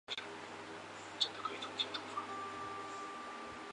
而购物中心方面则有海峡岸广场。